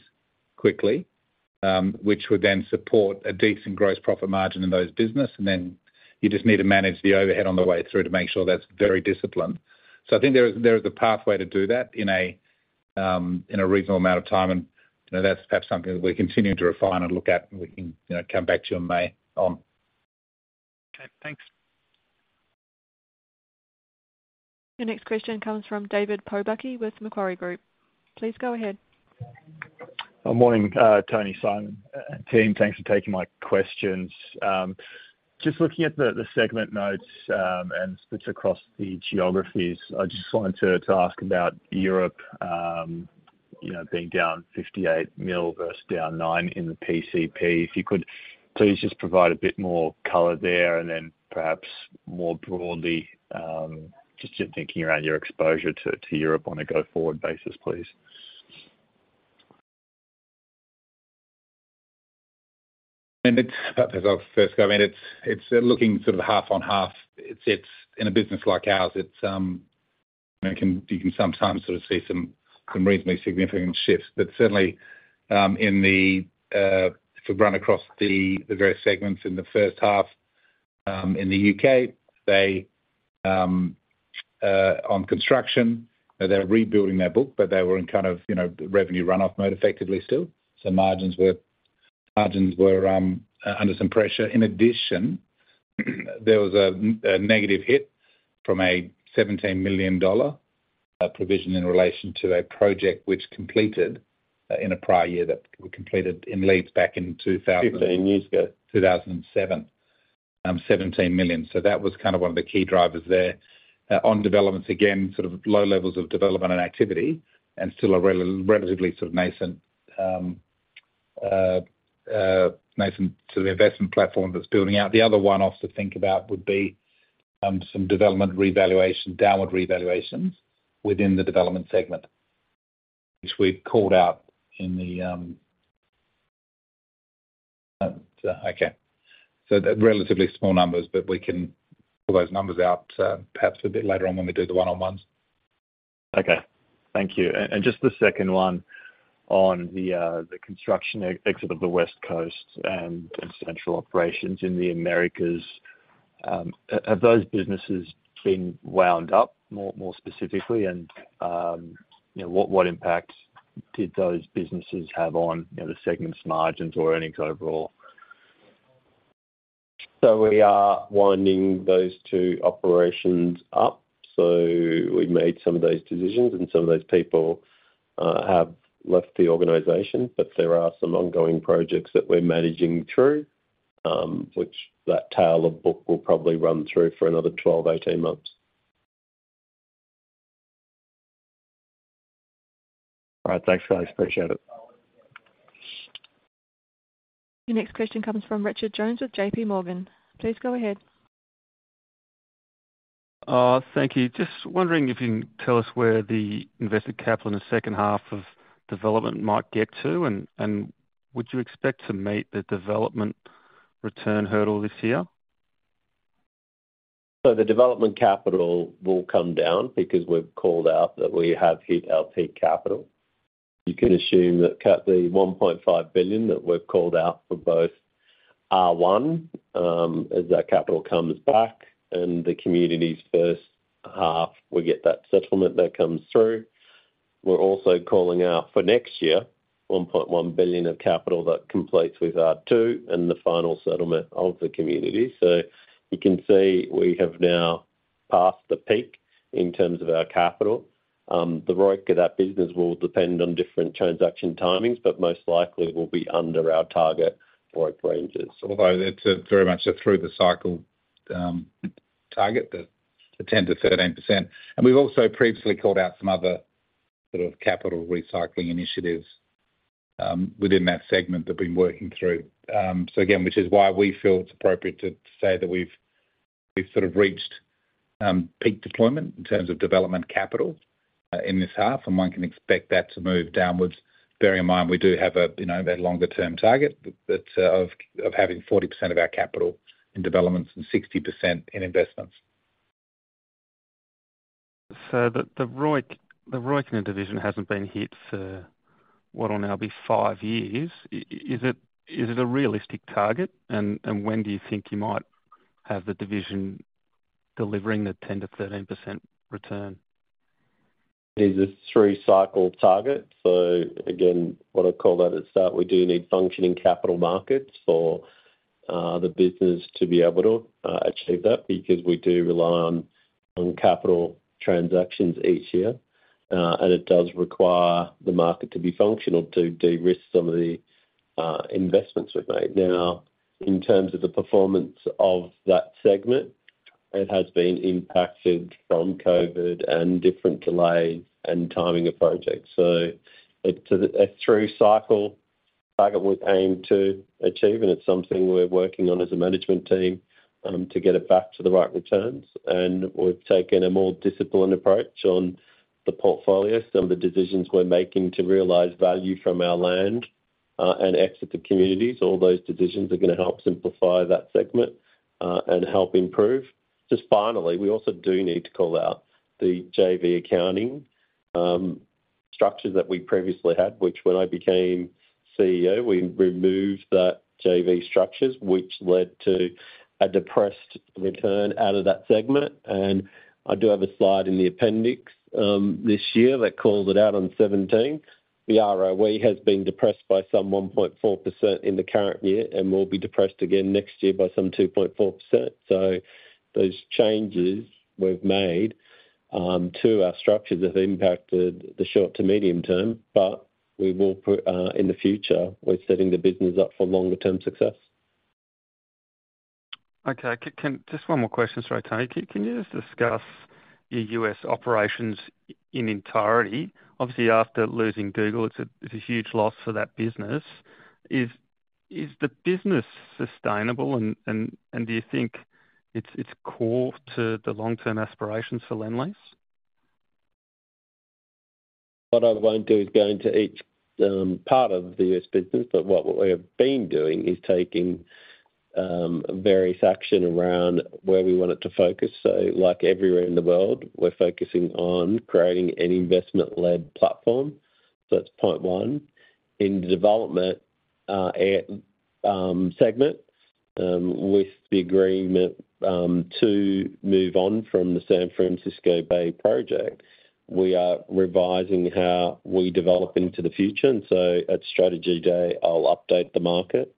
quickly, which would then support a decent gross profit margin in those business. And then you just need to manage the overhead on the way through to make sure that's very disciplined. So I think there is a pathway to do that in a reasonable amount of time. And that's perhaps something that we're continuing to refine and look at. And we can come back to you in May on. Okay. Thanks. Your next question comes from David Pobucky with Macquarie Group. Please go ahead. Good morning, Tony, Simon, and team. Thanks for taking my questions. Just looking at the segment notes and splits across the geographies, I just wanted to ask about Europe being down 58 million versus down 9 million in the PCP. If you could please just provide a bit more color there and then perhaps more broadly, just thinking around your exposure to Europe on a go-forward basis, please. I mean, as I first go, I mean, it's looking sort of half-on-half. In a business like ours, you can sometimes sort of see some reasonably significant shifts. But certainly, if we've run across the various segments in the first half, in the U.K., on construction, they're rebuilding their book, but they were in kind of revenue run-off mode effectively still. So margins were under some pressure. In addition, there was a negative hit from a $17 million provision in relation to a project which completed in a prior year that we completed in Leeds back in 2007. 15 years ago. 2007. $17 million. So that was kind of one of the key drivers there. On Developments, again, sort of low levels of development and activity and still a relatively sort of nascent sort of investment platform that's building out. The other one-off to think about would be some development revaluation, downward revaluations within the Development segment, which we've called out in the okay. So relatively small numbers, but we can pull those numbers out perhaps a bit later on when we do the one-on-ones. Okay. Thank you. And just the second one on the construction exit of the West Coast and central operations in the Americas, have those businesses been wound up more specifically? And what impact did those businesses have on the segment's margins or earnings overall? So we are winding those two operations up. So we made some of those decisions, and some of those people have left the organization. But there are some ongoing projects that we're managing through, which that tableau book will probably run through for another 12-18 months. All right. Thanks, guys. Appreciate it. Your next question comes from Richard Jones with JPMorgan. Please go ahead. Thank you. Just wondering if you can tell us where the invested capital in the second half of development might get to. And would you expect to meet the development return hurdle this year? So the development capital will come down because we've called out that we have hit our peak capital. You can assume that the 1.5 billion that we've called out for both R1, as that capital comes back, and the community's first half, we get that settlement that comes through. We're also calling out for next year, 1.1 billion of capital that completes with R2 and the final settlement of the community. You can see we have now passed the peak in terms of our capital. The ROIC of that business will depend on different transaction timings, but most likely will be under our target ROIC ranges. Although it's very much a through-the-cycle target, the 10%-13%. We've also previously called out some other sort of capital recycling initiatives within that segment that we've been working through. So again, which is why we feel it's appropriate to say that we've sort of reached peak deployment in terms of development capital in this half. And one can expect that to move downwards. Bearing in mind, we do have a longer-term target of having 40% of our capital in developments and 60% in investments. The ROIC and the division hasn't been hit for, what will now be, five years. Is it a realistic target? When do you think you might have the division delivering the 10%-13% return? It is a three-cycle target. So again, what I called out at the start, we do need functioning capital markets for the business to be able to achieve that because we do rely on capital transactions each year. And it does require the market to be functional to de-risk some of the investments we've made. Now, in terms of the performance of that segment, it has been impacted from COVID and different delays and timing of projects. So it's a three-cycle target we've aimed to achieve. And it's something we're working on as a management team to get it back to the right returns. And we've taken a more disciplined approach on the portfolio. Some of the decisions we're making to realize value from our land and exit the communities; all those decisions are going to help simplify that segment and help improve. Just finally, we also do need to call out the JV accounting structures that we previously had, which when I became CEO, we removed that JV structures, which led to a depressed return out of that segment. And I do have a slide in the appendix this year that calls it out on 17. The ROE has been depressed by some 1.4% in the current year and will be depressed again next year by some 2.4%. So those changes we've made to our structures have impacted the short- to medium-term. But in the future, we're setting the business up for longer-term success. Okay. Just one more question, sorry, Tony. Can you just discuss your U.S. operations in entirety? Obviously, after losing Google, it's a huge loss for that business. Is the business sustainable? And do you think it's core to the long-term aspirations for Lendlease? What I won't do is go into each part of the U.S. business. But what we have been doing is taking various action around where we want it to focus. So like everywhere in the world, we're focusing on creating an investment-led platform. So that's point one. In the Development segment, with the agreement to move on from the San Francisco Bay project, we are revising how we develop into the future. And so at Strategy Day, I'll update the market.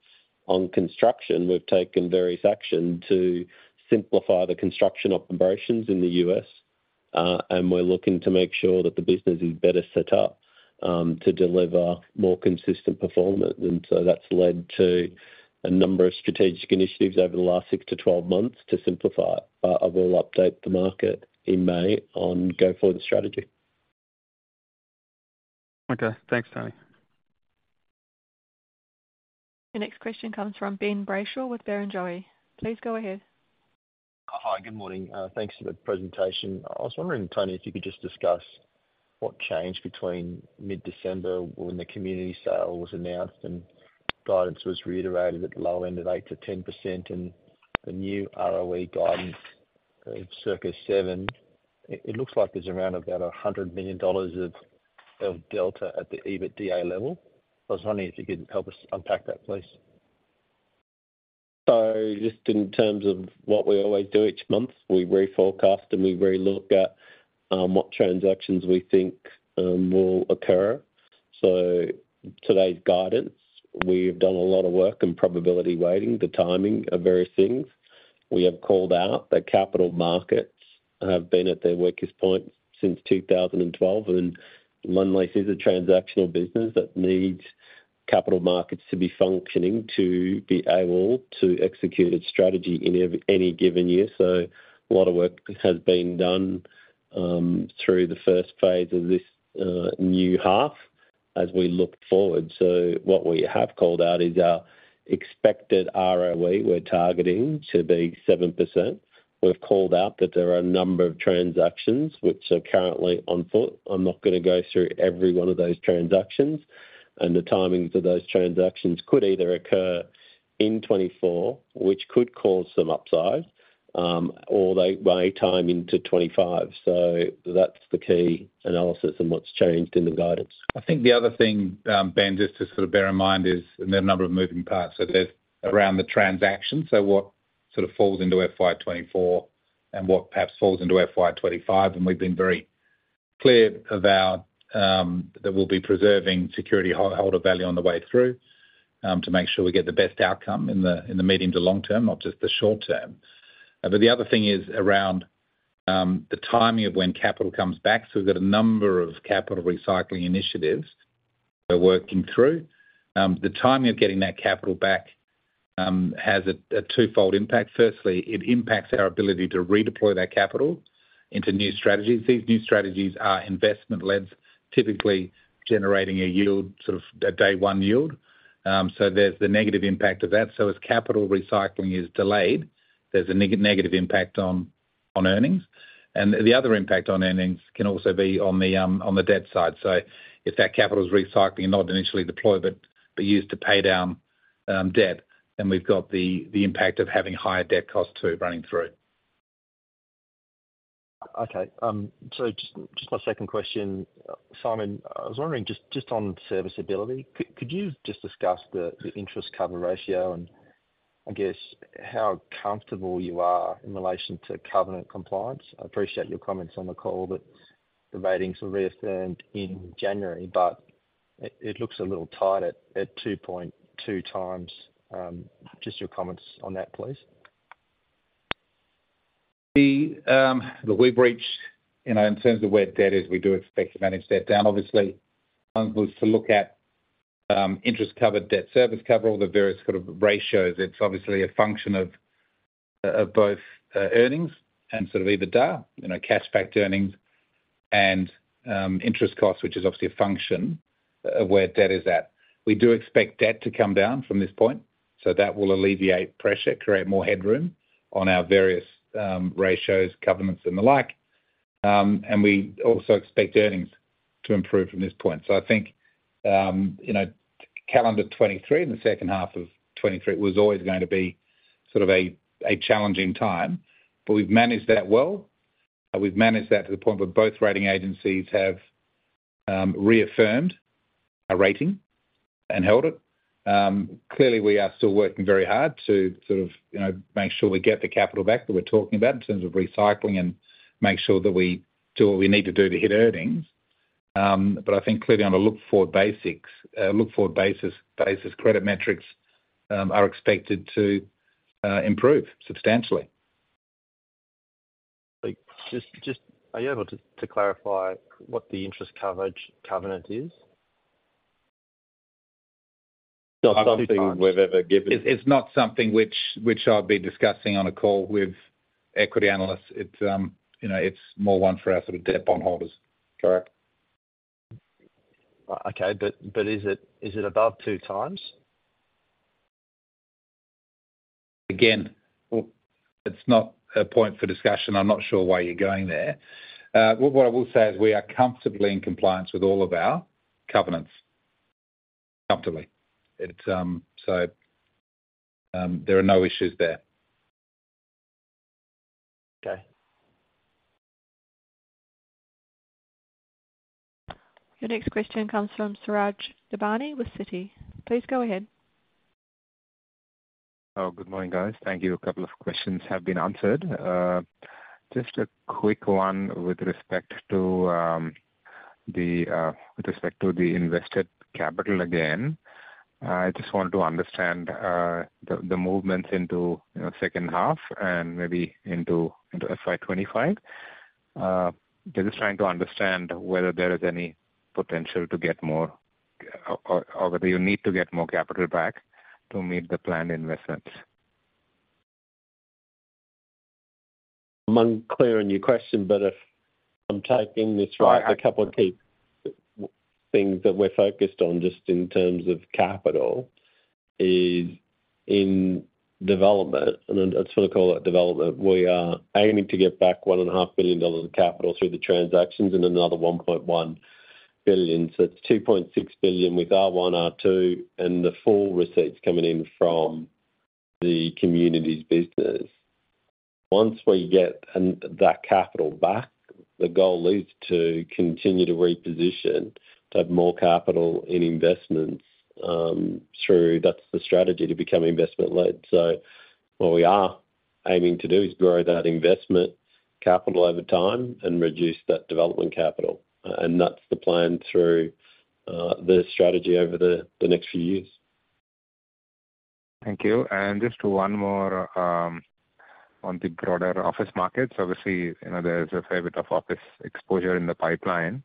On construction, we've taken various action to simplify the construction operations in the U.S. And we're looking to make sure that the business is better set up to deliver more consistent performance. And so that's led to a number of strategic initiatives over the last 6-12 months to simplify it. But I will update the market in May on go forward strategy. Okay. Thanks, Tony. Your next question comes from Ben Brayshaw with Barrenjoey. Please go ahead. Hi. Good morning. Thanks for the presentation. I was wondering, Tony, if you could just discuss what changed between mid-December when the community sale was announced and guidance was reiterated at the low end of 8%-10% and the new ROE guidance of circa 7%. It looks like there's around about $100 million of delta at the EBITDA level. So I was wondering if you could help us unpack that, please. So just in terms of what we always do each month, we reforecast and we re-look at what transactions we think will occur. So today's guidance, we have done a lot of work in probability weighting, the timing of various things. We have called out that capital markets have been at their weakest point since 2012. And Lendlease is a transactional business that needs capital markets to be functioning to be able to execute its strategy in any given year. So a lot of work has been done through the first phase of this new half as we look forward. So what we have called out is our expected ROE. We're targeting to be 7%. We've called out that there are a number of transactions which are currently on foot. I'm not going to go through every one of those transactions. And the timings of those transactions could either occur in 2024, which could cause some upside, or they may time into 2025. So that's the key analysis and what's changed in the guidance. I think the other thing, Ben, just to sort of bear in mind is there are a number of moving parts. So there's around the transactions. So what sort of falls into FY 2024 and what perhaps falls into FY 2025. And we've been very clear that we'll be preserving security holder value on the way through to make sure we get the best outcome in the medium to long term, not just the short term. But the other thing is around the timing of when capital comes back. So we've got a number of capital recycling initiatives we're working through. The timing of getting that capital back has a twofold impact. Firstly, it impacts our ability to redeploy that capital into new strategies. These new strategies are investment-led, typically generating a sort of a day-one yield. So there's the negative impact of that. So as capital recycling is delayed, there's a negative impact on earnings. And the other impact on earnings can also be on the debt side. So if that capital is recycled and not initially deployed but used to pay down debt, then we've got the impact of having higher debt costs too running through. Okay. So just my second question, Simon, I was wondering just on serviceability, could you just discuss the interest cover ratio and, I guess, how comfortable you are in relation to covenant compliance? I appreciate your comments on the call that the ratings were reaffirmed in January, but it looks a little tight at 2.2 times. Just your comments on that, please. Look, we've reached in terms of where debt is, we do expect to manage debt down. Obviously, one was to look at interest cover, debt service cover, all the various sort of ratios. It's obviously a function of both earnings and sort of EBITDA, cash-backed earnings, and interest costs, which is obviously a function of where debt is at. We do expect debt to come down from this point. So that will alleviate pressure, create more headroom on our various ratios, covenants, and the like. And we also expect earnings to improve from this point. So I think calendar 2023 and the second half of 2023 was always going to be sort of a challenging time. But we've managed that well. We've managed that to the point where both rating agencies have reaffirmed our rating and held it. Clearly, we are still working very hard to sort of make sure we get the capital back that we're talking about in terms of recycling and make sure that we do what we need to do to hit earnings. But I think clearly, on a look-forward basis, credit metrics are expected to improve substantially. Are you able to clarify what the interest coverage covenant is? It's not something we've ever given. It's not something which I'll be discussing on a call with equity analysts. It's more one for our sort of debt bondholders. Correct. Okay. But is it above 2x? Again, it's not a point for discussion. I'm not sure why you're going there. What I will say is we are comfortably in compliance with all of our covenants, comfortably. So there are no issues there. Okay. Your next question comes from Suraj Nebhani with Citi. Please go ahead. Oh, good morning, guys. Thank you. A couple of questions have been answered. Just a quick one with respect to the with respect to the invested capital again. I just wanted to understand the movements into second half and maybe into FY 2025. They're just trying to understand whether there is any potential to get more or whether you need to get more capital back to meet the planned investments. I'm unclear on your question, but if I'm typing this right, a couple of key things that we're focused on just in terms of capital is in development, and I just want to call it Development, we are aiming to get back 1.5 billion dollars of capital through the transactions and another 1.1 billion. So it's 2.6 billion with R1, R2, and the full receipts coming in from the communities business. Once we get that capital back, the goal is to continue to reposition, to have more capital in investments through. That's the strategy to become investment-led. So what we are aiming to do is grow that investment capital over time and reduce that development capital. That's the plan through the strategy over the next few years. Thank you. And just one more on the broader office markets. Obviously, there's a fair bit of office exposure in the pipeline.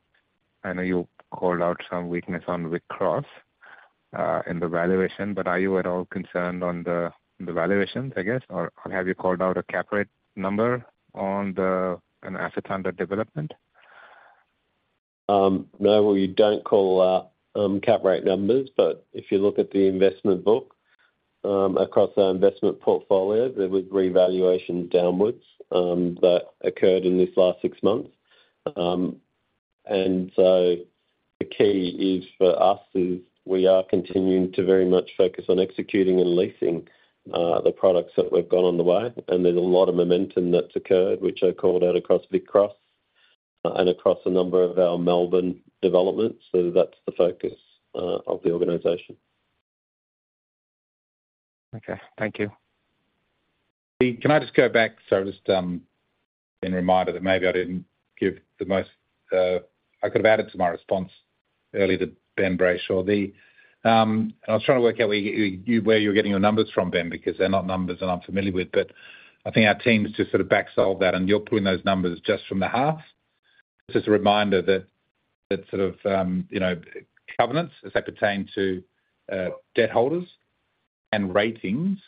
I know you called out some weakness on Stratford Cross in the valuation. But are you at all concerned on the valuations, I guess? Or have you called out a cap rate number on the assets under development? No, well, you don't call out cap rate numbers. But if you look at the investment book across our investment portfolio, there was revaluation downwards that occurred in this last six months. So the key for us is we are continuing to very much focus on executing and leasing the products that we've got on the way. And there's a lot of momentum that's occurred, which I called out across Vic Cross and across a number of our Melbourne developments. So that's the focus of the organization. Okay. Thank you. Can I just go back? Sorry, just been reminded that maybe I didn't give the most I could have added to my response earlier to Ben Brayshaw. And I was trying to work out where you were getting your numbers from, Ben, because they're not numbers I'm familiar with. But I think our team's just sort of back solved that. And you're pulling those numbers just from the half. Just as a reminder that sort of covenants as they pertain to debt holders and ratings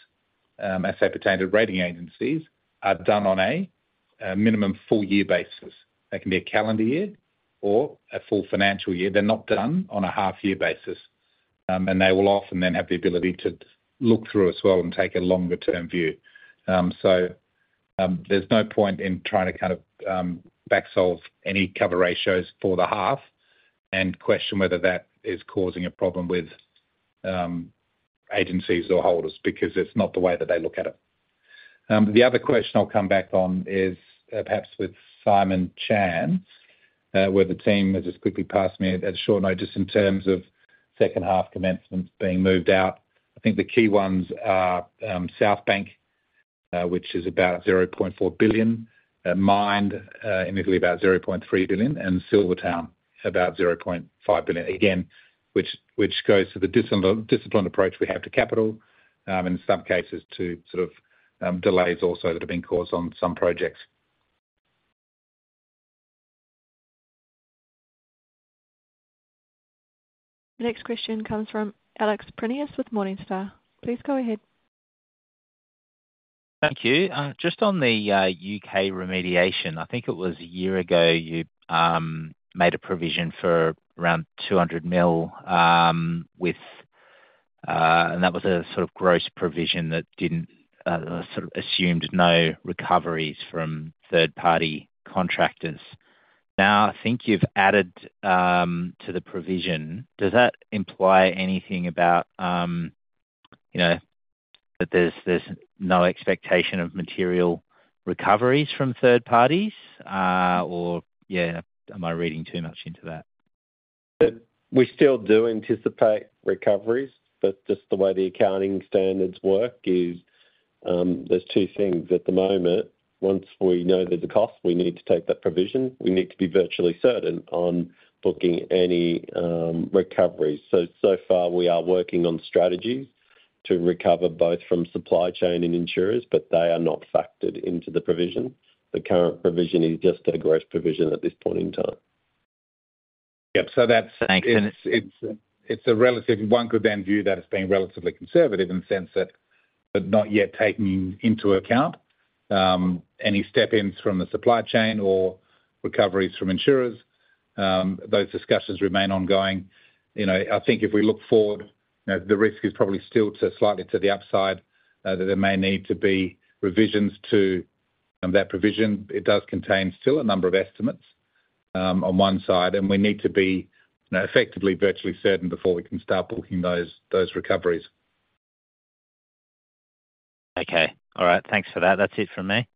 as they pertain to rating agencies are done on a minimum four-year basis. That can be a calendar year or a full financial year. They're not done on a half-year basis. They will often then have the ability to look through as well and take a longer-term view. So there's no point in trying to kind of back solve any cover ratios for the half and question whether that is causing a problem with agencies or holders because it's not the way that they look at it. The other question I'll come back on is perhaps with Simon Chan where the team has just quickly passed me a short note just in terms of second-half commencements being moved out. I think the key ones are Southbank, which is about 0.4 billion, MIND, immediately about 0.3 billion, and Silvertown, about 0.5 billion, again, which goes to the disciplined approach we have to capital and in some cases to sort of delays also that have been caused on some projects. The next question comes from Alex Prineas with Morningstar. Please go ahead. Thank you. Just on the U.K. remediation, I think it was a year ago you made a provision for around 200 million, and that was a sort of gross provision that sort of assumed no recoveries from third-party contractors. Now, I think you've added to the provision. Does that imply anything about that there's no expectation of material recoveries from third parties? Or yeah, am I reading too much into that? We still do anticipate recoveries. But just the way the accounting standards work is there's two things at the moment. Once we know there's a cost, we need to take that provision. We need to be virtually certain on booking any recoveries. So far, we are working on strategies to recover both from supply chain and insurers, but they are not factored into the provision. The current provision is just a gross provision at this point in time. Yep. So that's thanks. And it's relative. One could then view that as being relatively conservative in the sense that but not yet taking into account any step-ins from the supply chain or recoveries from insurers. Those discussions remain ongoing. I think if we look forward, the risk is probably still slightly to the upside that there may need to be revisions to that provision. It does contain still a number of estimates on one side. We need to be effectively virtually certain before we can start booking those recoveries. Okay. All right. Thanks for that. That's it from me.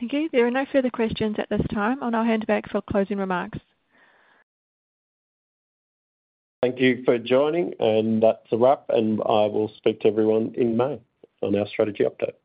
Thank you. There are no further questions at this time. I'll now hand back for closing remarks. Thank you for joining. That's a wrap. I will speak to everyone in May on our strategy update.